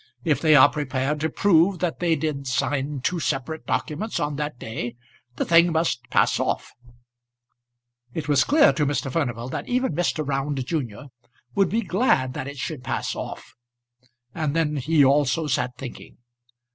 If they are prepared to prove that they did sign two separate documents on that day, the thing must pass off." It was clear to Mr. Furnival that even Mr. Round junior would be glad that it should pass off. And then he also sat thinking.